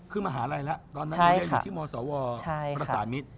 คือมหาลัยแล้วตอนนั้นอยู่ที่มศวประสานมิตร